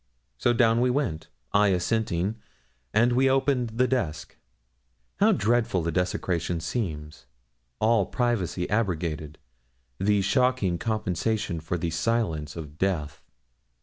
So down we went I assenting and we opened the desk. How dreadful the desecration seems all privacy abrogated the shocking compensation for the silence of death!